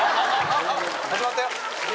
始まったよ。